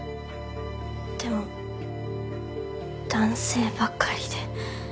でも男性ばかりで。